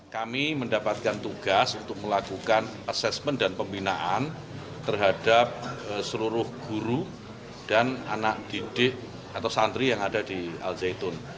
kami mendapatkan tugas untuk melakukan asesmen dan pembinaan terhadap seluruh guru dan anak didik atau santri yang ada di al zaitun